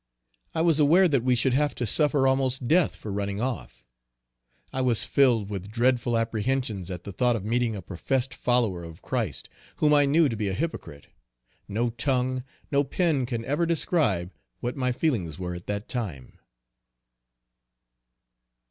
I was aware that we should have to suffer almost death for running off. I was filled with dreadful apprehensions at the thought of meeting a professed follower of Christ, whom I knew to be a hypocrite! No tongue, no pen can ever describe what my feelings were at that time.